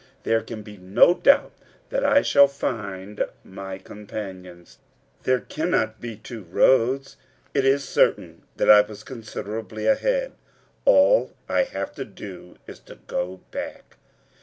"There can be no doubt that I shall find my companions. There cannot be two roads. It is certain that I was considerably ahead; all I have to do is to go back."